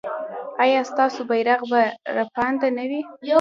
ایا ستاسو بیرغ به رپانده نه وي؟